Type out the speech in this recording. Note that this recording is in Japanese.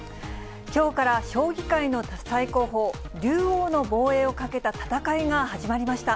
きょうから将棋界の最高峰、竜王の防衛をかけた戦いが始まりました。